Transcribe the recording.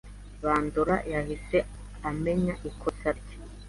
Bandora yahise amenya ikosa rye.